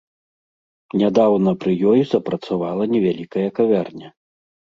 Нядаўна пры ёй запрацавала невялікая кавярня.